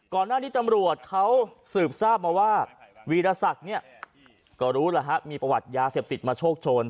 ก่อนหน้านี้ตำรวจเขาสืบทราบมาว่าวีรสักก็รู้มีประวัติยาเสพติดมาโชคโชน